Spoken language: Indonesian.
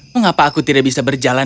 mengapa aku tidak bisa berjalan